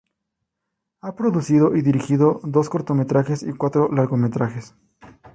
Ha producido y dirigido dos cortometrajes y cuatro largometrajes.